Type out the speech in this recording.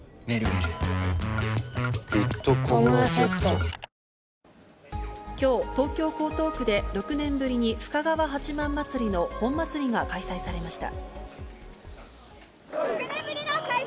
はぁきょう、東京・江東区で、６年ぶりに、深川八幡祭りの本祭りが開催されました。